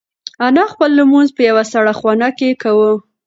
انا خپل لمونځ په یوه سړه خونه کې کاوه.